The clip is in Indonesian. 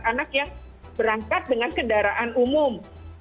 anak yang berangkat dengan kendaraan umum